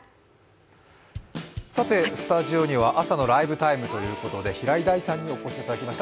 スタジオには「朝のライブ ＴＩＭＥ，」ということで平井大さんにお越しいただきました。